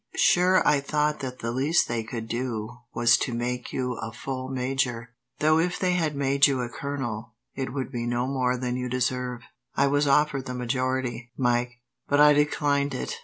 Sure I thought that the least they could do was to make you a full major, though if they had made you a colonel, it would be no more than you deserve." "I was offered the majority, Mike, but I declined it.